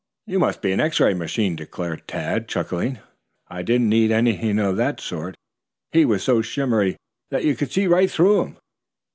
"You must be an X ray machine," declared Tad, chuckling. "It didn't need anything of that sort. He was so shimmery that you could see right through him."